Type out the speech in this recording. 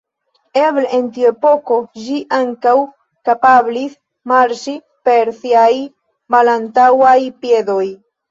Eble en tiu epoko ĝi ankaŭ kapablis marŝi per siaj malantaŭaj piedoj.